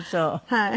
はい。